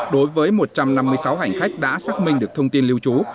đối với một trăm năm mươi sáu hành khách đã xác minh được thông tin lưu trú